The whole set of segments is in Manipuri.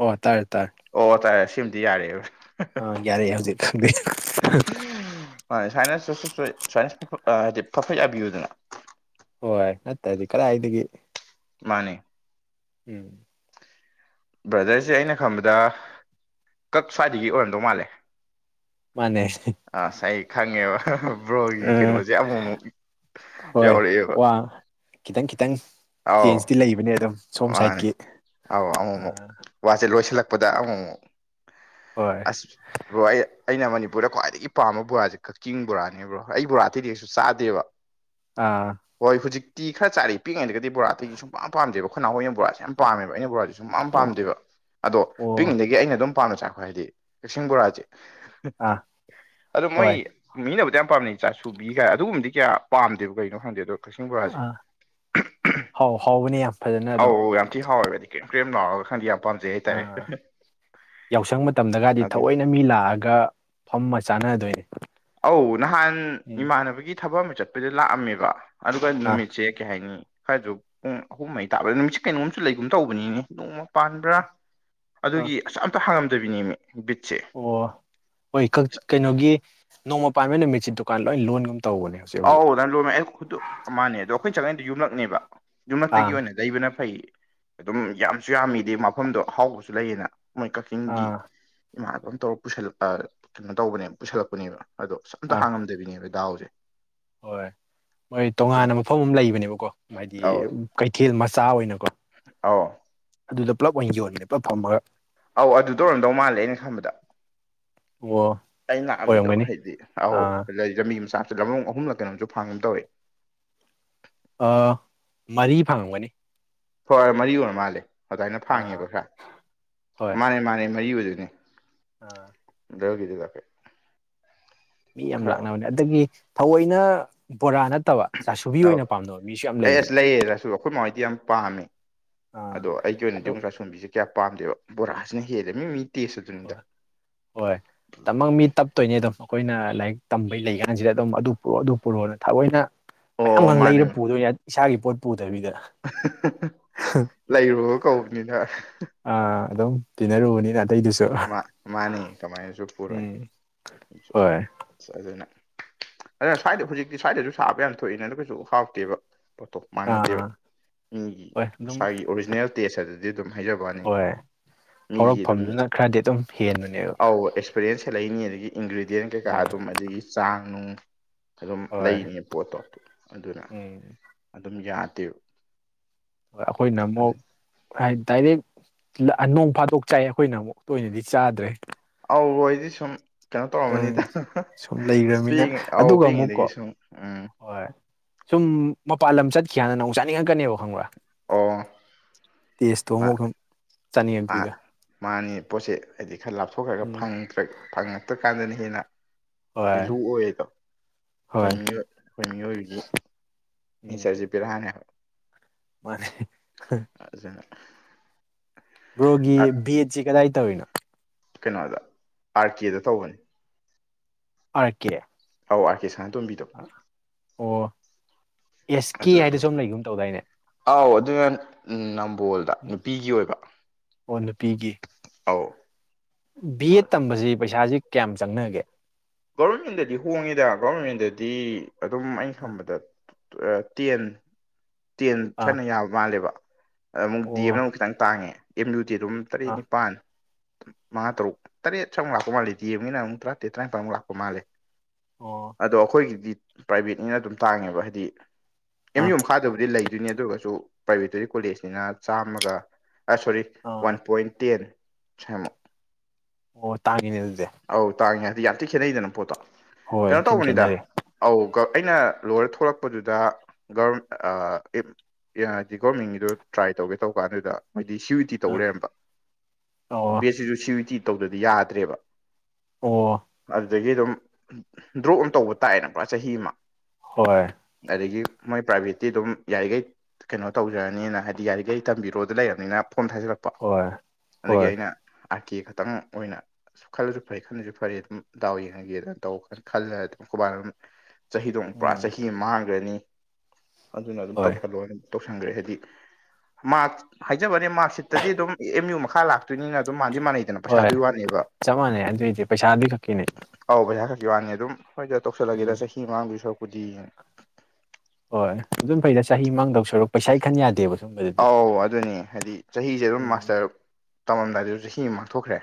ꯑꯣ ꯇꯥꯔꯦ ꯇꯥꯔꯦ ꯑꯣ ꯇꯥꯔꯦ ꯁꯤꯃꯗꯤ ꯌꯥꯔꯛꯑꯦꯕ ꯌꯥꯔꯦ ꯍꯧꯖꯤꯛ ꯈꯪꯕ [unintelligible] [unintelligible] [unintelligible] ꯍꯥꯏꯗꯤ ꯐꯥꯐꯠ ꯌꯥꯕꯤꯌꯨꯗꯅ ꯍꯣꯏ ꯅꯠꯇ꯭ꯔꯗꯤ ꯀꯗꯥꯏꯗꯒꯤ ꯃꯥꯅꯦ ꯎꯨꯝ ꯕ꯭ꯔꯗꯔꯁꯦ ꯑꯩꯅ ꯈꯟꯕꯗ ꯀꯛ ꯁ꯭ꯋꯥꯏꯗꯒꯤ ꯑꯣꯏꯔꯝꯗꯧ ꯃꯥꯜꯂꯦ ꯃꯥꯟꯅꯦ ꯑꯁ ꯑꯩ ꯈꯪꯉꯦꯕ ꯕ꯭ꯔꯣꯒꯤ ꯎꯝ ꯀꯩꯅꯣꯁꯦ ꯑꯃꯨꯛ ꯑꯃꯨꯛ ꯍꯣꯏ ꯌꯥꯎꯔꯛꯑꯦꯕꯥ ꯋꯥ ꯈꯤꯇꯪ ꯈꯤꯇꯪ ꯆꯦꯟꯖꯇꯤ ꯂꯩꯕꯅꯦ ꯑꯗꯨꯝ ꯁꯣꯝ ꯁꯥꯏꯠꯀꯤ ꯑꯧ ꯑꯃꯨꯛ ꯑꯃꯨꯛ ꯑꯥ ꯋꯥꯁꯦ ꯂꯣꯏꯁꯤꯜꯂꯛꯄꯗ ꯑꯃꯨꯛ ꯑꯃꯨꯛ ꯍꯣꯏ ꯑꯁ ꯕ꯭ꯔꯣ ꯑꯩ ꯑꯩꯅ ꯃꯅꯤꯄꯨꯔꯗ ꯈ꯭ꯋꯥꯏꯗꯒꯤ ꯄꯥꯝꯕ ꯕꯥꯁꯤ ꯀꯛꯆꯤꯡ ꯕꯣꯔꯥꯅꯦ ꯕ꯭ꯔꯣ ꯑꯩ ꯕꯣꯔꯥ ꯑꯇꯩꯗꯤ ꯀꯩꯁꯨ ꯆꯥꯗꯦꯕ ꯑꯥ ꯍꯣꯏ ꯍꯧꯖꯤꯛꯇꯤ ꯈꯔ ꯆꯥꯔꯦ ꯄꯤꯛꯏꯉꯩꯗꯒꯥꯗꯤ ꯕꯣꯔꯥ ꯑꯇꯩꯁꯤ ꯁꯨꯝ ꯄꯥꯝ ꯄꯥꯝꯗꯦꯕ ꯑꯩꯈꯣꯏ ꯅꯥꯎꯍꯣꯏꯅ ꯑꯃꯨꯛ ꯕꯣꯔꯥꯁꯦ ꯌꯥꯝ ꯄꯥꯝꯃꯦꯕ ꯑꯩꯅ ꯕꯣꯔꯥꯁꯦ ꯁꯨꯝꯄꯥꯝ ꯑꯣ ꯄꯥꯝꯗꯦꯕ ꯑꯗꯣ ꯑꯣ ꯄꯤꯛꯏꯉꯩꯗꯒꯤ ꯑꯩꯅ ꯑꯗꯨꯝ ꯄꯥꯥꯝꯅ ꯆꯥꯔꯛꯄ ꯍꯥꯏꯔꯗꯤ ꯀꯛꯆꯤꯡ ꯕꯣꯔꯥꯁꯦ ꯑꯥ ꯑꯗꯣ ꯃꯣꯏ ꯍꯣꯏ ꯃꯤꯅꯕꯨꯗꯤ ꯌꯥꯝ ꯄꯥꯝꯅꯩ ꯆꯥꯁꯨꯕꯤ ꯀꯥꯏ ꯑꯗꯨꯒꯨꯝꯕꯗꯤ ꯀꯌꯥ ꯄꯥꯝꯗꯕ ꯀꯩꯅꯣ ꯈꯪꯗꯦ ꯑꯗꯣ ꯀꯛꯆꯤꯡ ꯕꯣꯔꯥꯁꯦ ꯑꯥ ꯍꯥꯎ ꯍꯥꯎꯕꯅꯤ ꯌꯥꯝ ꯐꯖꯅ ꯑꯗꯨꯝ ꯑꯧ ꯌꯥꯝ ꯊꯤ ꯍꯥꯎꯋꯦ ꯍꯥꯏꯗꯤ ꯀ꯭ꯔꯦꯝ ꯀ꯭ꯔꯦꯝ ꯂꯥꯎꯔꯒ ꯈꯪꯗꯦ ꯌꯥꯝ ꯄꯥꯝ ꯑꯥ ꯌꯥꯎꯁꯪ ꯃꯇꯝꯗꯒꯗꯤ ꯑꯗꯨꯅꯤ ꯊꯑꯣꯏꯅ ꯃꯤ ꯂꯥꯛꯑꯒ ꯐꯝꯃ ꯆꯥꯟꯅꯗꯣꯏꯅꯤ ꯑꯧ ꯅꯍꯥꯟ ꯏꯃꯥꯟꯅꯕꯒꯤ ꯊꯕꯛ ꯑꯃ ꯆꯠꯄꯗ ꯂꯥꯛꯑꯝꯃꯦꯕ ꯑꯗꯨꯒ ꯑꯥ ꯅꯨꯃꯤꯠꯁꯦ ꯀꯩ ꯍꯥꯏꯅꯤ ꯈꯔꯖꯨ ꯄꯨꯡ ꯑꯍꯨꯝ ꯃꯔꯤ ꯇꯥꯕꯗ ꯅꯨꯃꯤꯠꯁꯦ ꯀꯩꯅꯣꯝꯖꯨ ꯂꯩꯒꯨꯝ ꯇꯧꯕꯅꯤꯅꯦ ꯅꯣꯡꯃ ꯄꯥꯟꯕꯔꯥ ꯑꯥ ꯑꯗꯨꯒꯤ ꯑꯁ ꯑꯝꯇ ꯍꯥꯡꯉꯝꯗꯕꯤꯅꯦꯃꯤ ꯕꯤꯠꯁꯦ ꯑꯣ ꯍꯣꯏ ꯀꯛ ꯀꯩꯅꯣꯒꯤ ꯅꯣꯡꯃ ꯄꯥꯟꯕ ꯅꯨꯃꯤꯠꯁꯦ ꯗꯨꯀꯥꯟ ꯂꯣꯏ ꯂꯣꯟꯒꯨꯝ ꯇꯧꯕꯅꯦ ꯍꯧꯖꯤꯛ ꯍꯧꯖꯤꯛ ꯑꯧ ꯑꯗꯥꯏꯅ ꯂꯣꯟꯃꯦ ꯑꯩ ꯈꯨꯇꯨ ꯑꯃꯅꯦ ꯑꯗꯣ ꯑꯩꯈꯣꯏꯅ ꯆꯪꯉꯩꯗꯣ ꯌꯨꯝꯂꯛꯅꯦꯕ ꯌꯨꯝꯂꯛꯇꯒꯤ ꯑꯥ ꯑꯣꯏꯅ ꯂꯩꯕꯅ ꯐꯩ ꯑꯗꯨꯝ ꯌꯥꯝꯁꯨ ꯌꯥꯝꯃꯤꯗꯤ ꯃꯐꯝꯗꯣ ꯑꯍꯥꯎꯕꯁꯨ ꯂꯩꯌꯦꯅ ꯃꯣꯏ ꯀꯛ ꯆꯤꯡꯒꯤ ꯑꯥ ꯏꯃꯥꯟꯅꯕ ꯑꯃ ꯇꯧꯔꯒ ꯄꯨꯁꯜꯂ ꯑꯥ ꯀꯩꯅꯣ ꯇꯧꯕꯅꯦꯕ ꯄꯨꯁꯜꯂꯛꯄꯅꯦꯕ ꯑꯗꯣ ꯑꯁ ꯑꯝꯇ ꯑꯥ ꯍꯥꯡꯉꯝꯗꯕꯤꯅꯦꯕ ꯗꯥꯎꯁꯦ ꯍꯣꯏ ꯃꯣꯏ ꯐꯖꯅ ꯇꯣꯉꯥꯟꯅ ꯃꯐꯝ ꯑꯃ ꯂꯩꯕꯅꯦꯕꯀꯣ ꯍꯥꯏꯗꯤ ꯀꯩꯊꯦꯜ ꯃꯆꯥ ꯑꯣꯏꯅꯀꯣ ꯑꯥꯎ ꯑꯗꯨꯗ ꯄꯨꯂꯞ ꯑꯣꯏꯅ ꯌꯣꯜꯂꯦ ꯄꯨꯂꯞ ꯐꯝꯃꯒ ꯑꯧ ꯑꯗꯨꯗ ꯑꯣꯏꯔꯝꯗꯧ ꯃꯥꯜꯂꯦ ꯑꯩꯅ ꯈꯟꯕꯗ ꯑꯣ ꯑꯩ ꯂꯥꯛꯑꯝꯃꯤꯗꯣ ꯑꯣꯏꯔꯝꯒꯅꯤ ꯍꯥꯏꯗꯤ ꯑꯍꯧ ꯑꯥ ꯂꯩꯗ ꯃꯤꯃꯆꯥ ꯂꯝꯂꯣꯡ ꯑꯍꯨꯝꯂꯥ ꯀꯩꯅꯣꯝꯁꯨ ꯐꯥꯡꯒꯨꯝ ꯇꯧꯋꯦ ꯑꯥ ꯃꯔꯤ ꯐꯥꯡꯉꯝꯒꯅꯤ ꯍꯣꯏ ꯃꯔꯤ ꯑꯣꯏꯔꯥ ꯃꯥꯜꯂꯦ ꯑꯗꯥꯏꯅ ꯑꯥ ꯐꯥꯡꯉꯦꯕ ꯈꯔ ꯍꯣꯏ ꯃꯥꯅꯦ ꯃꯥꯅꯦ ꯃꯔꯤ ꯑꯣꯏꯗꯨꯅꯤ ꯑꯥ ꯑꯗꯨꯒꯤꯗꯨꯗ ꯃꯤ ꯌꯥꯝ ꯂꯥꯛꯅꯕꯅꯦ ꯑꯗꯒꯤ ꯊꯑꯣꯏꯅ ꯕꯣꯔꯥ ꯅꯠꯇꯕ ꯆꯥꯁꯨꯕꯤ ꯑꯧ ꯑꯣꯏꯅ ꯄꯥꯝꯅꯕ ꯃꯤꯁꯨ ꯌꯥꯝ ꯑꯩ ꯑꯁ ꯂꯩꯕꯅꯤ ꯂꯩꯌꯦ ꯆꯥꯁꯨ ꯑꯩꯈꯣꯏ ꯃꯥꯍꯣꯏꯗꯤ ꯌꯥꯝ ꯄꯥꯝꯃꯦ ꯑꯗꯣ ꯑꯩꯒꯤ ꯑꯣꯏꯅꯗꯤ ꯑꯃꯨꯛ ꯆꯥꯁꯨꯕꯤꯁꯦ ꯀꯌꯥ ꯄꯥꯝꯗꯦꯕ ꯕꯣꯔꯥꯁꯤꯅ ꯍꯦꯜꯂꯦ ꯃꯤ ꯃꯤ ꯇꯦꯁ ꯑꯗꯨꯅꯤꯗ ꯍꯣꯏ ꯍꯣꯏ ꯇꯃꯪ ꯃꯤꯇꯞ ꯇꯣꯏꯅꯦ ꯑꯗꯨꯝ ꯑꯩꯈꯣꯏꯅ ꯂꯥꯏꯔꯤꯛ ꯇꯝꯕꯩ ꯂꯩ ꯀꯥꯟꯁꯤꯗ ꯑꯗꯨꯝ ꯑꯗꯨ ꯄꯨꯔꯛꯑꯣ ꯑꯗꯨ ꯄꯨꯔꯛꯑꯣꯅ ꯊꯑꯣꯏꯅ ꯑꯣ ꯃꯌꯥꯝꯒ ꯃꯥꯅꯦ ꯂꯩꯔ ꯄꯨꯗꯣꯏꯅꯦ ꯏꯁꯥꯒꯤ ꯄꯣꯠ ꯄꯨꯗꯕꯤꯗ ꯂꯩꯔꯨꯕ ꯀꯧꯕꯅꯤꯅ ꯑꯥ ꯑꯗꯨꯝ ꯇꯤꯟꯅꯔꯨꯕꯅꯤꯅ ꯑꯇꯩꯗꯨꯁꯨ ꯃꯥ ꯃꯥꯅꯤ ꯀꯃꯥꯏꯅꯁꯨ ꯄꯨꯔꯣꯏ ꯎꯝ ꯍꯣꯏ ꯑꯁ ꯑꯗꯨꯅ ꯑꯗꯨꯅ ꯁꯋꯥꯏꯗ ꯍꯧꯖꯤꯛꯇꯤ ꯁꯋꯥꯏꯗꯁꯨ ꯁꯥꯕ ꯌꯥꯝ ꯊꯣꯛꯏꯅ ꯑꯗꯨ ꯀꯩꯁꯨ ꯍꯥꯎꯇꯦꯕ ꯄꯣꯠꯇꯣ ꯃꯥꯟꯅꯗꯦꯕ ꯑꯥ ꯃꯤꯒꯤ ꯍꯣꯏ ꯑꯗꯨꯝ ꯃꯁꯥꯒꯤ ꯑꯣꯔꯤꯖꯤꯅꯦꯜ ꯇꯦꯁ ꯑꯗꯨ ꯗꯤ ꯑꯗꯨꯝ ꯍꯥꯏꯖꯕ ꯋꯥꯅꯤ ꯍꯣꯏ ꯃꯤꯒꯤ ꯑꯗꯨꯝ ꯍꯧꯔꯛꯐꯝꯗꯨꯅ ꯈꯔꯗꯤ ꯑꯗꯨꯝ ꯍꯦꯟꯕꯅꯤ ꯑꯧ ꯑꯦꯛꯁꯄꯔꯤꯌꯦꯟꯁ ꯍꯦꯜꯂꯛꯏꯅꯤ ꯑꯗꯒꯤ ꯏꯟꯒꯔꯤꯗꯦꯟ ꯀꯩꯀꯥ ꯎꯝ ꯑꯗꯨꯝ ꯑꯗꯒꯤ ꯆꯥꯡ ꯅꯨꯡ ꯑꯗꯨꯝ ꯍꯣꯏ ꯂꯩꯅꯤ ꯄꯣꯠꯇꯣ ꯑꯗꯨꯅ ꯎꯝ ꯑꯗꯨꯝ ꯌꯥꯗꯦꯕ ꯑꯈꯣꯏꯅ ꯑꯗꯨ ꯑꯃꯨꯛ ꯍꯥꯏ ꯗꯥꯏꯔꯦꯛ ꯅꯣꯡ ꯐꯥꯗꯣꯛ ꯆꯥꯏ ꯑꯩꯈꯣꯏꯅ ꯑꯃꯨꯛ ꯇꯣꯏꯅꯗꯤ ꯆꯥꯗꯔꯦ ꯑꯧ [unintelligible] ꯁꯨꯝ ꯀꯩꯅꯣ ꯇꯧꯔꯝꯃꯅꯤꯗ ꯎꯝ ꯁꯨꯝ ꯄꯤ ꯂꯩꯈ꯭ꯔꯃꯤꯅ ꯑꯥꯎ ꯑꯗꯨꯒ ꯄꯤꯛꯏꯉꯩꯗꯒꯤ ꯑꯃꯨꯛꯀꯣ ꯁꯨꯝ ꯎꯝ ꯍꯣꯏ ꯁꯨꯝ ꯃꯄꯥꯟ ꯂꯝ ꯆꯠꯈꯤ ꯉꯥꯏꯗꯅ ꯑꯃꯨꯛ ꯆꯥꯅꯤꯡꯉꯛꯀꯅꯦꯕ ꯈꯪꯕ꯭ꯔꯥ ꯑꯣ ꯇꯦꯁꯇꯣ ꯃꯥ ꯑꯃꯨꯛꯀ ꯃꯥ ꯃꯥꯅꯤ ꯄꯣꯠꯁꯦ ꯍꯥꯏꯗꯤ ꯈꯔ ꯂꯥꯞꯊꯣꯛꯈꯔꯒ ꯎꯝ ꯐꯪꯗ꯭ꯔꯥ ꯐꯪ ꯗꯀꯥꯟꯗꯅꯤ ꯍꯦꯟꯅꯥ ꯍꯣꯏ ꯚꯦꯂꯨ ꯑꯣꯏꯗꯣ ꯑꯩꯈꯣꯏ ꯍꯣꯏ ꯃꯤꯑꯣꯏ ꯑꯩꯈꯣꯏ ꯃꯤꯑꯣꯏꯕꯒꯤ ꯎꯝ ꯅꯤꯆꯔꯁꯦ ꯕꯦꯔꯥꯅꯦ ꯍꯥꯏꯕ ꯃꯥꯅꯦ [unintelligible] ꯕ꯭ꯔꯣꯒꯤ ꯑ ꯚꯦꯠꯁꯤ ꯀꯗꯥꯏ ꯇꯧꯔꯤꯅꯣ ꯀꯩꯅꯣꯗ ꯑꯥꯔ ꯀꯦꯗ ꯇꯧꯕꯅꯤ ꯑꯥꯔ ꯀꯦ ꯑꯧ ꯑꯥꯔ ꯀꯦ ꯁꯥꯅꯇꯣꯝꯕꯤꯗꯣ ꯑꯣ ꯑꯦꯁ ꯀꯦ ꯑꯗꯨ ꯍꯥꯏꯅꯁꯨ ꯑꯃ ꯂꯩꯒꯨꯝ ꯇꯧꯗꯥꯏꯅꯦ ꯑꯧ ꯑꯗꯨꯅ ꯅꯝꯕꯣꯜꯗ ꯅꯨꯄꯤꯒꯤ ꯑꯣꯏꯕ ꯑꯣ ꯅꯨꯄꯤꯒꯤ ꯑꯧ ꯕꯤ ꯑꯦꯠ ꯑꯗꯨ ꯇꯝꯕꯖꯤ ꯄꯩꯁꯥꯖꯤ ꯀꯌꯥꯝ ꯆꯪꯅꯒꯦ ꯒꯣꯕꯔꯃꯦꯟꯗꯗꯤ ꯍꯣꯡꯉꯤꯗ ꯒꯣꯕꯔꯃꯦꯟꯗꯗꯤ ꯑꯗꯨꯝ ꯑꯩꯅ ꯈꯟꯕꯗ ꯑ ꯇꯦꯟ ꯇꯦꯟ ꯑꯥ ꯁꯥꯏꯅ ꯌꯥꯕ ꯃꯥꯜꯂꯦꯕ ꯑ ꯑꯃꯨꯛ ꯗꯦꯝꯅꯥ ꯑꯣ ꯑꯃꯨꯛ ꯈꯤꯇꯪ ꯇꯥꯡꯉꯦ ꯑꯦꯝ ꯌꯨ ꯗꯤ ꯑꯗꯨꯝ ꯇꯔꯦꯠ ꯑꯥ ꯅꯤꯄꯥꯟ ꯃꯉꯥ ꯇꯔꯨꯛ ꯇꯔꯦꯠ ꯁꯥꯏꯃꯨꯛ ꯂꯥꯛꯄ ꯃꯥꯜꯂꯦ ꯗꯦꯝꯒꯤꯅꯥ ꯑꯃꯨꯛ ꯇꯔꯥꯇꯔꯦꯠ ꯇꯔꯥꯅꯤꯄꯥꯜꯃꯨꯛ ꯂꯥꯛꯄ ꯃꯥꯜꯂꯦ ꯑꯣ ꯑꯗꯣ ꯑꯩꯈꯣꯏꯒꯤꯗꯤ ꯄ꯭ꯔꯥꯏꯕꯦꯠꯅꯤꯅ ꯑꯗꯨꯝ ꯇꯥꯡꯉꯦꯕ ꯍꯥꯏꯗꯤ ꯑꯦꯝ ꯑꯥ ꯌꯨ ꯃꯈꯥꯗꯕꯨꯗꯤ ꯂꯩ ꯑꯗꯨꯅꯤ ꯑꯗꯨꯒꯁꯨ ꯄ꯭ꯔꯥꯏꯕꯦꯠꯇꯨꯗꯤ ꯀꯣꯂꯦꯖꯅꯤꯅ ꯆꯥꯝꯃꯒ ꯑꯥ ꯁꯣꯔꯤ ꯑꯥ ꯋꯥꯟ ꯄꯣꯏꯟ ꯇꯦꯟ ꯁꯥꯏꯃꯨꯛ ꯑꯣ ꯇꯥꯡꯉꯤꯅꯦ ꯑꯗꯨꯗꯤ ꯑꯧ ꯇꯥꯡꯉꯦ ꯍꯥꯏꯗꯤ ꯌꯥꯝ ꯊꯤ ꯈꯦꯠꯅꯩꯗꯅ ꯄꯣꯠꯇꯣ ꯍꯣꯏ ꯀꯩꯅꯣ ꯊꯤꯟ ꯇꯧꯕꯅꯤꯗ ꯈꯦꯠꯅꯔꯦ ꯑꯧ ꯑꯩꯅ ꯂꯣꯏꯔ ꯊꯣꯛꯂꯛꯄꯗꯨꯗ ꯒꯕꯔ ꯑꯥ [unintelligible] ꯑꯦ ꯍꯥꯏꯗꯤ ꯒꯣꯕꯔꯃꯦꯟꯒꯤꯗꯣ ꯇ꯭ꯔꯥꯏ ꯇꯧꯒꯦ ꯇꯧꯕ ꯑꯗꯨꯗ ꯍꯥꯏꯗꯤ [unintelligible] ꯇꯤ ꯇꯧ ꯑꯥ ꯂꯩꯔꯝꯕ ꯑꯣ ꯕꯦꯠꯁꯤꯁꯨ ꯁꯤ ꯏ꯭ꯌꯨ ꯏ ꯇꯤ ꯇꯧꯗꯗꯤ ꯌꯥꯗ꯭ꯔꯦꯕ ꯑꯣ ꯑꯗꯨꯗꯒꯤ ꯑꯗꯨꯝ ꯗ꯭ꯔꯣꯞ ꯑꯃ ꯇꯧꯕ ꯇꯥꯏꯅ ꯀꯣ ꯆꯍꯤ ꯑꯃ ꯍꯣꯏ ꯑꯗꯒꯤ ꯃꯣꯏ ꯄ꯭ꯔꯥꯏꯚꯦꯠꯇꯤ ꯑꯗꯨꯝ ꯌꯥꯔꯤꯒꯩ ꯀꯩꯅꯣ ꯇꯧꯖꯔꯅꯤꯅ ꯍꯥꯏꯗꯤ ꯌꯥꯔꯤꯒꯩ ꯇꯝꯕꯤꯔꯣꯗ ꯂꯩꯔꯕꯅꯤꯅ ꯐꯣꯔꯝ ꯊꯥꯖꯤꯟꯂꯛ ꯄꯥ ꯍꯣꯏ ꯑꯗꯨꯒꯤ ꯍꯣꯏ ꯑꯩꯅ ꯑꯥꯔ ꯀꯦ ꯈꯛꯇꯪ ꯑꯣꯏꯅ ꯈꯜꯂꯁꯨ ꯐꯩ ꯈꯟꯗ꯭ꯔꯁꯨ ꯐꯔꯦ ꯑꯗꯨꯝ ꯗꯥꯎ ꯌꯦꯡꯉꯒꯦꯅꯥ ꯇꯧꯕ ꯈꯜꯂ ꯑꯗꯨꯝ ꯈꯣꯏꯕꯥꯅ ꯑꯗꯨꯝ ꯆꯍꯤꯗꯣ ꯑꯃꯨꯛ ꯄꯨꯔꯥ ꯎꯝ ꯆꯍꯤ ꯑꯃ ꯃꯥꯡꯒ꯭ꯔꯅꯤ ꯑꯗꯨꯅ ꯑꯗꯨꯝ ꯍꯣꯏ ꯇꯧꯁꯜꯂꯣꯅꯥ ꯇꯧꯁꯟꯒ꯭ꯔꯦ ꯍꯥꯏꯗꯤ ꯃꯥꯔꯛ ꯍꯥꯏꯖꯕꯩ ꯋꯥꯅꯦ ꯃꯥꯔꯛꯁꯤꯠꯇꯗꯤ ꯑꯗꯨꯝ ꯑꯦꯝ ꯌꯨ ꯃꯈꯥ ꯂꯥꯛ ꯇꯨꯏꯅꯤꯅ ꯑꯗꯨꯝ ꯃꯥꯟꯗꯤ ꯃꯥꯟꯅꯩꯗꯅ ꯍꯣꯏ ꯄꯩꯁꯥꯗꯨꯏ ꯋꯥꯅꯦꯕ ꯆꯞ ꯃꯥꯟꯅꯩ ꯑꯗꯨꯏꯗꯤ ꯄꯩꯁꯥꯗꯤ ꯈꯛꯀꯤꯅꯦ ꯑꯧ ꯄꯩꯁꯥ ꯈꯛꯀꯤ ꯋꯥꯅꯤ ꯑꯗꯨꯝ ꯍꯣꯏꯗ ꯎꯝ ꯇꯧꯁꯜꯂꯒꯦꯗꯥ ꯆꯍꯤ ꯃꯥꯡꯗꯣꯏ ꯁꯔꯨꯛꯄꯨꯗꯤꯅꯥ ꯍꯣꯏ ꯑꯗꯨꯝ ꯐꯩꯗ ꯆꯍꯤ ꯃꯥꯡꯗꯧ ꯁꯨꯔꯛ ꯄꯩꯁꯥꯏ ꯈꯟ ꯌꯥꯗꯦꯕ ꯁꯨꯝꯕꯗꯗꯤ ꯑꯧ ꯑꯗꯨꯅꯦ ꯍꯥꯏꯗꯤ ꯆꯍꯤꯖꯦ ꯑꯗꯨꯝ ꯎꯝ ꯃꯥꯁꯇꯔ ꯇꯧꯔꯝꯗꯥꯏꯗꯖꯨ ꯆꯍꯤ ꯑꯃ ꯃꯥꯡꯊꯣꯛꯈ꯭ꯔꯦ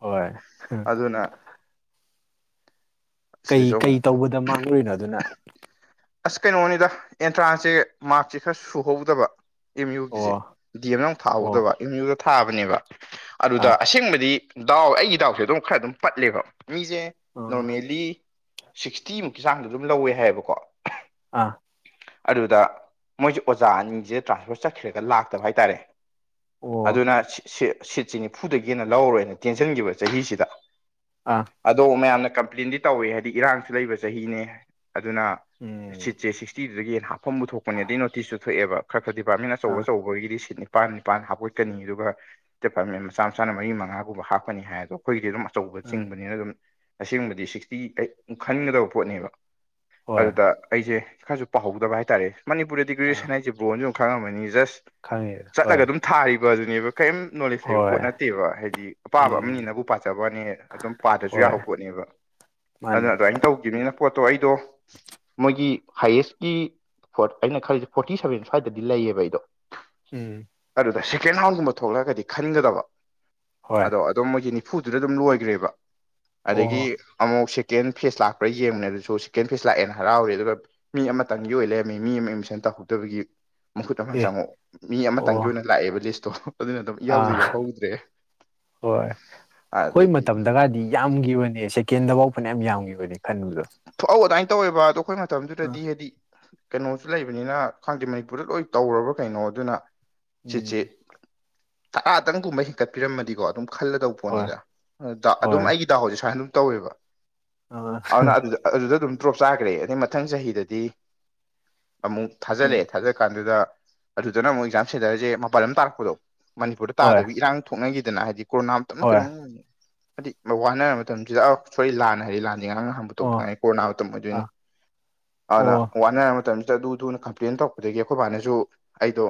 ꯍꯣꯏ ꯑꯗꯨꯅ ꯀꯩ ꯁꯤꯗꯁꯨ ꯀꯩ ꯑꯃꯨꯛ ꯇꯧꯕꯗ ꯃꯥꯡꯂꯣꯏꯅꯣ ꯑꯗꯨꯅ ꯑꯁ ꯀꯩꯅꯣꯅꯤꯗ ꯑꯦꯟꯇ꯭ꯔꯥꯟꯁꯁꯦ ꯃꯥꯔꯛꯁꯦ ꯈꯔ ꯁꯨꯍꯧꯗꯕ ꯑꯦꯝ ꯑꯣ ꯌꯨꯒꯤꯁꯦ ꯗꯤ ꯑꯦꯝ ꯌꯥꯎ ꯑꯣ ꯊꯥꯍꯧꯗꯕ ꯑꯦꯝ ꯌꯨꯗ ꯊꯥꯕꯅꯦꯕ ꯑꯗꯨꯗ ꯑꯥ ꯑꯁꯦꯡꯕꯗꯤ ꯗꯥꯎ ꯑꯩꯒꯤ ꯗꯥꯎꯁꯦ ꯑꯗꯨꯝ ꯈꯔ ꯑꯗꯨꯝ ꯄꯠꯂꯦꯕ ꯃꯤꯁꯦ ꯑꯥ ꯅꯣꯔꯃꯦꯜꯂꯤ ꯁꯤꯛꯁꯇꯤꯃꯨꯛꯀꯤ ꯆꯥꯡꯗ ꯑꯗꯨꯝ ꯂꯧꯋꯦ ꯍꯥꯏꯌꯦꯕꯀꯣ ꯑꯥ ꯑꯗꯨꯗ ꯃꯣꯏꯁꯦ ꯑꯣꯖꯥ ꯑꯅꯤꯁꯦ ꯇ꯭ꯔꯥꯟꯁꯐꯔ ꯆꯠꯈꯤꯔꯒ ꯂꯥꯛꯇꯕ ꯍꯥꯏꯇꯥꯔꯦ ꯑꯣ ꯑꯗꯨꯅ ꯁꯤꯠꯁꯤ ꯅꯤꯐꯨꯗꯒꯤ ꯍꯦꯅ ꯂꯧꯔꯣꯏꯅ ꯇꯦꯟꯁꯤꯟꯈꯤꯕ ꯆꯍꯤꯁꯤꯗ ꯑꯥ ꯑꯗꯣ ꯃꯌꯥꯝꯅ ꯀꯝꯄ꯭ꯂꯦꯟꯗꯤ ꯇꯧꯋꯦ ꯍꯥꯏꯗꯤ ꯏꯔꯥꯡꯁꯨ ꯂꯩꯕ ꯆꯍꯤꯅꯦ ꯑꯗꯨꯅ ꯎꯝ ꯁꯤꯠꯁꯦ ꯁꯤꯛꯁꯇꯤꯗꯨꯗꯒꯤ ꯍꯦꯟꯅ ꯍꯥꯞꯐꯝꯕꯨ ꯊꯣꯛꯄꯅꯦ ꯑꯗꯨ ꯅꯣꯇꯤꯁꯁꯨ ꯊꯣꯛꯑꯦꯕ ꯈꯔ ꯈꯔ ꯗꯤꯄꯥꯔꯠꯃꯦꯟꯅ ꯑꯥ ꯑꯆꯧꯕ ꯑꯆꯧꯕꯒꯤꯗꯤ ꯁꯤꯠꯅꯤ ꯅꯤꯄꯥꯥꯟ ꯅꯤꯄꯥꯟ ꯍꯥꯞꯄꯣꯏꯠꯀꯅꯤ ꯑꯗꯨꯒ ꯃꯆꯥ ꯃꯆꯥꯅ ꯃꯔꯤ ꯃꯉꯥꯒꯨꯝꯕ ꯍꯥꯞꯀꯅꯤ ꯍꯥꯏꯗꯣ ꯑꯩꯈꯣꯏꯒꯤꯗꯤ ꯑꯗꯨꯝ ꯑꯆꯧꯕ ꯑꯥ ꯆꯤꯡꯕꯅꯤꯅ ꯑꯗꯨꯝ ꯑꯁꯦꯡꯕꯗꯤ ꯁꯤꯛꯁꯇꯤ ꯑꯩ ꯈꯟꯒꯗꯕ ꯄꯣꯠꯅꯦꯕ ꯍꯣꯏ ꯑꯗꯨꯗ ꯑꯩꯁꯦ ꯈꯔꯁꯨ ꯄꯥꯍꯧꯗꯕ ꯍꯥꯏ ꯇꯔꯦ ꯃꯅꯤꯄꯨꯔꯗꯗꯤ ꯑꯥ ꯒ꯭ꯔꯦꯖꯨꯋꯦꯁꯟ ꯍꯥꯏꯁꯤꯦ ꯒꯣꯟꯁꯨ ꯑꯗꯨ ꯈꯪꯉꯝꯃꯅꯤ ꯖꯁ ꯈꯪꯉꯦ ꯍꯣꯏ ꯆꯠꯂꯒ ꯑꯗꯨꯝ ꯊꯥꯔꯤꯕ ꯑꯗꯨꯅꯦꯕ ꯀꯩꯝ ꯅꯣꯂꯦꯖ ꯂꯩꯕ ꯍꯣꯏ ꯄꯣꯠ ꯅꯠꯇꯦꯕ ꯍꯥꯏꯗꯤ ꯑꯄꯥꯕ ꯎꯝ ꯑꯃꯅꯤꯅꯕꯨ ꯄꯥꯖꯕꯅꯦ ꯑꯗꯨꯝ ꯄꯥꯗ꯭ꯔꯁꯨ ꯍꯣꯏ ꯌꯥꯕ ꯄꯣꯠꯅꯦꯕ ꯑꯗꯨꯅ ꯃꯥꯅꯦ ꯑꯗꯨꯃꯥꯏꯅ ꯇꯧꯈꯤꯕꯅꯤꯅ ꯄꯣꯠꯇꯣ ꯑꯩꯗꯣ ꯃꯣꯏꯒꯤ ꯍꯥꯏꯌꯦꯁꯀꯤ ꯑꯩꯅ ꯈꯜꯂꯤꯁꯦ ꯐꯣꯔꯇꯤ ꯁꯚꯦꯟ ꯁ꯭ꯋꯥꯏꯗꯗꯤ ꯂꯩꯌꯦꯕ ꯑꯩꯗꯣ ꯎꯝ ꯑꯗꯨꯗ ꯁꯦꯀꯦꯟ ꯍꯥꯎꯟꯒꯨꯝꯕ ꯊꯣꯛꯂꯛꯑꯒꯗꯤ ꯈꯟꯒꯗꯕ ꯍꯣꯏ ꯑꯗꯣ ꯑꯗꯨꯝ ꯃꯣꯏꯒꯤ ꯅꯤꯐꯨꯗꯨꯗ ꯑꯗꯨꯝ ꯂꯣꯏꯈ꯭ꯔꯦꯕ ꯑꯗꯒꯤ ꯑꯣ ꯑꯃꯨꯛ ꯁꯦꯀꯦꯟ ꯐꯦꯖ ꯂꯥꯛꯄ꯭ꯔꯥ ꯌꯦꯡꯕꯅꯦ ꯑꯗꯨꯁꯨ ꯁꯦꯀꯦꯟ ꯐꯦꯖ ꯂꯥꯛꯑꯦꯅ ꯍꯔꯥꯎꯔꯦ ꯑꯗꯨꯒ ꯃꯤ ꯑꯃꯇꯪꯒꯤ ꯑꯣꯏꯅ ꯂꯩꯔꯝꯃꯤ ꯃꯤ ꯑꯃ ꯑꯦꯗꯃꯤꯁꯟ ꯇꯧꯍꯧꯗꯕꯒꯤ ꯃꯈꯨꯠ ꯑꯃ ꯑꯦ ꯆꯪꯉꯨ ꯃꯤ ꯑꯃꯇꯪꯒꯤ ꯑꯣ ꯑꯣꯏꯅ ꯂꯥꯛꯑꯦꯕ ꯂꯤꯁꯇꯣ ꯑꯗꯨꯅ ꯑꯗꯨꯝ ꯏꯌꯥꯎꯗ ꯑꯥ ꯌꯥꯎꯍꯧꯗ꯭ꯔꯦ ꯍꯣꯏ ꯑꯩꯈꯣꯏ ꯑꯗꯒꯤ ꯃꯇꯝꯗꯒꯗꯤ ꯌꯥꯝꯈꯤꯕꯅꯦ ꯁꯦꯀꯦꯟꯗꯐꯥꯎ ꯐꯅ ꯌꯥꯝꯒꯤꯕꯅꯦ ꯈꯟꯕꯗꯣ ꯊꯣꯛꯍꯧ ꯑꯗꯨꯃꯥꯏꯅ ꯇꯧꯋꯦꯕ ꯑꯗꯣ ꯑꯩꯈꯣꯏ ꯑ ꯃꯇꯝꯗꯨꯗꯗꯤ ꯍꯥꯏꯗꯤ ꯀꯩꯅꯣꯁꯨ ꯂꯩꯕꯅꯤꯅ ꯈꯪꯗꯦ ꯃꯅꯤꯄꯨꯔꯗ ꯂꯣꯏ ꯇꯧꯔꯕ꯭ꯔꯥ ꯀꯩꯅꯣ ꯑꯗꯨꯅ ꯁꯤꯠꯁꯦ ꯎꯝ ꯇꯔꯥꯗꯪꯒꯨꯝꯕ ꯍꯦꯟꯀꯠꯄꯤꯔꯝꯃꯗꯤꯀꯣ ꯑꯗꯨꯝ ꯈꯜꯂꯗꯧꯕ ꯍꯣꯏ ꯄꯣꯠꯅꯤꯗ ꯗꯥꯎ ꯑꯗꯨꯝ ꯍꯣꯏ ꯑꯩꯒꯤ ꯗꯥꯎꯁꯦ ꯁꯨꯃꯥꯏꯅ ꯑꯗꯨꯝ ꯇꯧꯋꯦꯕ ꯑꯗꯨꯅ [inaudible] ꯑꯗꯨꯗ ꯑꯗꯨꯗꯗꯨꯝ ꯗ꯭ꯔꯣꯞ ꯆꯥꯈ꯭ꯔꯦ ꯑꯗꯩ ꯃꯊꯪ ꯆꯍꯤꯗꯗꯤ ꯑꯃꯨꯛ ꯎꯝ ꯊꯥꯖꯤꯜꯂꯛꯑꯦ ꯊꯥꯖꯜ ꯀꯥꯟꯗ ꯑꯗꯨꯗꯅ ꯑꯃꯨꯛ ꯑꯦꯛꯖꯥꯝ ꯁꯦꯟꯇꯔꯁꯦ ꯃꯄꯥꯟ ꯂꯥꯝꯗ ꯇꯥꯔꯛꯄꯗꯣ ꯃꯅꯤꯄꯨꯔꯗ ꯍꯣꯏ ꯇꯥꯗꯕꯤ ꯏꯔꯥꯡ ꯊꯣꯛꯅꯈꯤꯗꯅ ꯍꯥꯏꯗꯤ ꯀꯣꯔꯣꯅꯥ ꯑꯃꯇꯝꯂ ꯍꯣꯏ ꯀꯩꯅꯣꯝ ꯍꯥꯏꯗꯤ ꯋꯥꯅꯔ ꯃꯇꯝꯁꯤꯗ ꯑꯥ ꯁꯣꯔꯔꯤ ꯂꯥꯟ ꯍꯥꯏꯔꯦ ꯂꯥꯟꯗꯤ ꯉꯔꯥꯡ ꯅꯍꯥꯟ ꯑꯣ ꯈꯪꯉꯦ ꯀꯣꯔꯣꯅꯥ ꯃꯇꯝ ꯑ ꯑꯣꯏꯗꯣꯢꯅꯦ ꯑꯣ ꯑꯗꯨꯗ ꯋꯥꯟꯅꯔ ꯃꯇꯝꯁꯤꯗ ꯑꯗꯨ ꯗꯨ ꯀꯝꯄ꯭ꯂꯦꯟ ꯇꯧꯔꯛꯄꯗꯒꯤ ꯑꯩꯈꯣꯏꯕꯥꯅꯁꯨ ꯑꯩꯗꯣ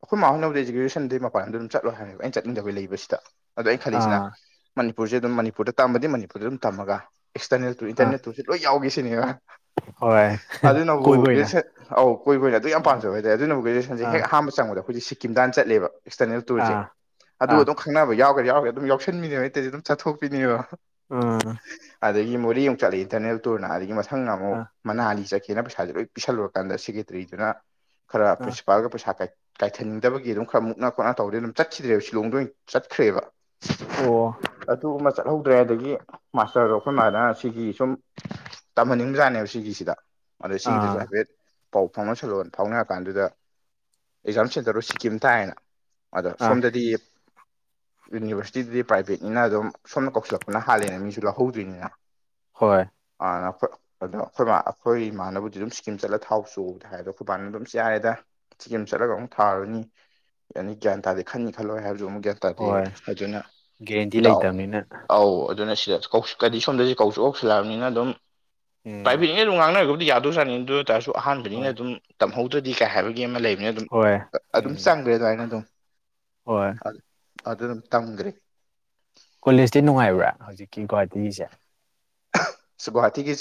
ꯑꯩꯈꯣꯏ ꯃꯥꯥꯍꯣꯢꯅꯕꯨꯗꯤ ꯑꯩꯖꯦ ꯒ꯭ꯔꯦꯖꯣꯢꯠꯁꯟꯗꯤ ꯃꯄꯥꯟ ꯂꯥꯝꯗ ꯑꯗꯨꯝ ꯆꯠꯂꯣ ꯍꯥꯏꯕꯅꯦꯕ ꯑꯩꯅ ꯆꯠꯅꯤꯡꯗꯩ ꯂꯩꯕ ꯁꯤꯗ ꯑꯗꯣ ꯑꯩꯩꯅ ꯈꯜꯂꯤꯁꯤꯅ ꯑꯥ ꯃꯅꯤꯄꯨꯔꯁꯦ ꯑꯗꯨꯝ ꯃꯅꯤꯄꯨꯔꯗ ꯇꯝꯕꯗꯤ ꯃꯅꯤꯄꯨꯔꯗ ꯑꯗꯨꯝ ꯇꯝꯃꯒ ꯑꯦꯛꯁꯇꯔꯅꯦꯜ ꯇꯨ ꯑꯥ ꯏꯟꯇꯔꯅꯦꯠ ꯌꯥꯎꯒꯦꯁꯤꯅꯦꯕ ꯍꯣꯏ ꯑꯗꯨꯅꯕꯨ ꯀꯣꯏꯕ ꯑꯣꯏꯅ ꯒ꯭ꯔꯦꯖꯨꯌꯦꯁꯟ ꯑꯧ ꯀꯣꯏꯕꯡꯑꯗꯨ ꯌꯥꯝ ꯄꯥꯝꯖꯕ ꯍꯥꯏꯇꯥꯔꯦ ꯑꯗꯨꯅꯕꯨ ꯒ꯭ꯔꯦꯖꯨꯋꯦꯁꯟꯁꯦ ꯑꯥ ꯍꯦꯛ ꯑꯍꯥꯟꯕ ꯆꯪꯕꯗ ꯑꯩꯈꯣꯏ ꯁꯤꯀꯤꯝꯗ ꯍꯟꯅ ꯆꯠꯂꯦꯕ ꯑꯦꯛꯇꯔꯅꯦꯜ ꯇꯨꯔꯁꯦ ꯑꯥ ꯑꯗꯨꯒ ꯑꯥ ꯑꯗꯨꯝ ꯈꯪꯅꯕ ꯌꯥꯎꯒꯦꯔ ꯌꯥꯎꯔꯣꯢꯔ ꯑꯗꯨꯝ ꯌꯥꯎꯁꯟꯕꯤꯅꯦꯕ ꯑꯩ ꯇꯧꯔꯤꯁꯦ ꯑꯗꯨꯝ ꯆꯠꯊꯣꯛꯄꯤꯅꯦꯕ ꯑꯝ ꯑꯗꯒꯤ ꯃꯣꯔꯦ ꯑꯃꯨꯛ ꯆꯠꯂꯦ ꯏꯟꯇꯔꯅꯦꯜ ꯇꯨꯔ ꯑꯗꯒꯤ ꯃꯊꯪ ꯑꯃꯨꯛ ꯑꯥ ꯃꯅꯥꯂꯤ ꯆꯠꯈꯤ ꯁꯤꯅ ꯄꯩꯁꯥꯁꯦ ꯂꯣꯏ ꯄꯤꯁꯜꯂꯨꯔꯀꯥꯟꯗ ꯁꯦꯀꯦꯇ꯭ꯔꯤꯗꯨꯅ ꯈꯔ ꯑꯥ ꯄ꯭ꯔꯤꯟꯁꯤꯄꯥꯜꯒ ꯄꯩꯁꯥ ꯀ ꯀꯥꯏꯊꯟꯅꯤꯡꯗꯕꯒꯤ ꯑꯗꯨꯝ ꯈꯔ ꯃꯨꯛꯅ ꯈꯣꯠꯅ ꯇꯧꯔꯦ ꯑꯗꯨꯝ ꯆꯠꯈꯤꯗ꯭ꯔꯦꯕ ꯁꯤꯜꯂꯣꯡꯗ ꯑꯣꯏꯅ ꯆꯠꯈ꯭ꯔꯦꯕ ꯑꯣ ꯑꯗꯨ ꯑꯃꯥ ꯆꯠꯍꯧꯗ꯭ꯔꯦ ꯑꯗꯒꯤ ꯃꯥꯁꯇꯔꯗꯣ ꯑꯩꯈꯣꯏ ꯃꯗꯥ ꯍꯥꯏꯔꯥ ꯁꯤꯒꯤ ꯁꯨꯝ ꯇꯝꯍꯟꯅꯤꯡꯕꯖꯥꯠꯅꯦꯕ ꯁꯤꯒꯤꯁꯤꯗ ꯑꯗꯥ ꯑꯥ ꯁꯤꯒꯤꯗꯨꯁꯨ ꯍꯥꯏꯐꯦꯠ ꯄꯥꯎ ꯐꯥꯎꯅꯁꯜꯂꯣ ꯐꯥꯎꯅꯔ ꯀꯥꯟꯗꯨꯗ ꯑꯦꯛꯖꯥꯝ ꯁꯦꯟꯇꯔꯗꯣ ꯁꯤꯀꯤꯝ ꯇꯥꯏꯌꯦꯅ ꯑꯗ ꯑꯥ ꯁꯣꯝꯗꯗꯤ ꯗꯤꯂꯤ ꯌꯨꯅꯤꯕꯔꯁꯤꯇꯤꯗꯨꯗꯤ ꯄ꯭ꯔꯥꯏꯕꯦꯠꯅꯤꯅ ꯑꯗꯨꯝ ꯁꯣꯝꯗ ꯀꯧꯁꯤꯜꯂꯛꯄꯅ ꯍꯥꯜꯂꯦꯅ ꯃꯤꯁꯨ ꯂꯧꯍꯧꯗꯣꯏꯅꯤꯅ ꯍꯣꯏ [unintelligible] ꯑꯗꯣ ꯑꯩꯈꯣꯏꯕ ꯑꯩꯈꯣꯏ ꯏꯃꯥꯅꯕꯨꯗꯤ ꯑꯗꯨꯝ ꯁꯤꯀꯤꯝ ꯆꯠꯂ ꯊꯥꯎꯆꯣꯕꯨꯗꯤ ꯍꯥꯏꯕꯀꯣ ꯑꯩꯈꯣꯏꯕꯥꯅ ꯑꯗꯨꯝ ꯌꯥꯔꯦꯗ ꯁꯤꯀꯤꯝ ꯆꯠꯂꯒ ꯑꯃꯨꯛ ꯊꯥꯔꯨꯅꯤ ꯌꯥꯅꯤ ꯒ꯭ꯌꯥꯟ ꯇꯥꯗꯦ ꯈꯜꯅꯤ ꯈꯜꯂꯣꯏ ꯍꯥꯏꯕꯁꯨ ꯑꯃꯨꯛ ꯒ꯭ꯌꯥꯟ ꯇꯥꯗꯦ ꯍꯣꯏ ꯑꯗꯨꯅ ꯒꯦꯔꯦꯟꯇꯤ ꯗꯥꯎ ꯂꯩꯇꯕꯅꯤꯅ ꯑꯧ ꯑꯗꯨꯅ ꯁꯤꯗ ꯀꯧꯁꯤꯡ ꯀꯔꯤ ꯁꯣꯝꯗꯁꯨ ꯀꯧꯆꫭ ꯁꯤꯡꯂꯛꯑꯕꯅꯤꯅ ꯑꯗꯨꯝ ꯎꯝ ꯄ꯭ꯔꯥꯏꯚꯦꯠꯅꯤꯅꯥ‌ ꯑꯗꯨꯝ ꯉꯥꯡꯅꯔꯒꯕꯨꯗꯤ ꯌꯥꯗꯧꯏꯖꯥꯠꯅꯤ ꯑꯗꯨ ꯇ꯭ꯔꯁꯨ ꯑꯍꯥꯟꯕꯅꯤꯅ ꯍꯣꯏ ꯑꯗꯨꯝ ꯇꯝꯍꯧꯗ꯭ꯔꯗꯤ ꯀꯥꯏ ꯍꯥꯏꯕꯒꯤ ꯑꯃ ꯂꯩꯕꯅꯤ ꯑꯗꯨꯝ ꯍꯣꯏ ꯑꯗꯨꯝ ꯎꯝ ꯆꯪꯗ꯭ꯔ‌ꯦ ꯑꯗꯨꯃꯥꯏꯅ ꯑꯗꯨꯝ ꯍꯣꯏ ꯑꯗꯨ ꯑꯗꯗꯨꯝ ꯇꯝꯗ꯭ꯔ‌ꯦ ꯀꯣꯂꯦꯖꯇꯤ ꯅꯨꯡꯉꯥꯏꯕ꯭ꯔꯥ ꯍꯧꯖꯤꯛꯀꯤ ꯒꯨꯍꯥꯇꯤꯒꯤꯁꯦ ꯁꯨ ꯒꯨꯍꯥꯇꯤꯒꯤꯁꯦ